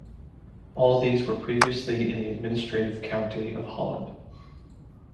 All these were previously in the administrative county of Holland.